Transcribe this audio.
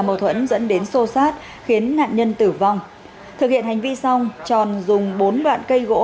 mâu thuẫn dẫn đến xô xát khiến nạn nhân tử vong thực hiện hành vi xong tròn dùng bốn đoạn cây gỗ